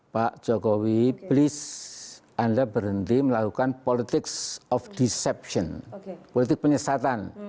pak jokowi please anda berhenti melakukan politics of deception politik penyesatan